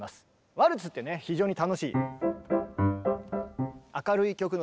ワルツってね非常に楽しい。